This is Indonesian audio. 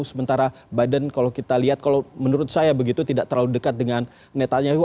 sementara biden kalau kita lihat kalau menurut saya begitu tidak terlalu dekat dengan netanyahu